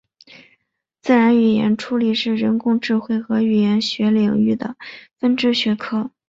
自然语言处理是人工智慧和语言学领域的分支学科。